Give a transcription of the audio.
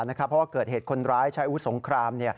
เพราะว่าเกิดเหตุคนร้ายใช้อาวุธสงคราม